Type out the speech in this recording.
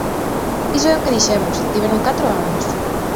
Iso é o que dixemos, tiveron catro anos.